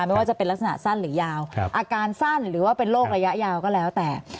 ไม่ว่าจะเป็นลักษณะสั้นหรือยาวอาการสั้นหรือว่าเป็นโรคระยะยาวก็แล้วแต่